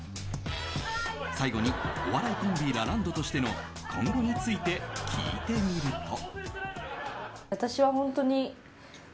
最後にお笑いコンビ、ラランドとしての今後について聞いてみると。